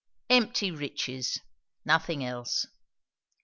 Empty riches! nothing else.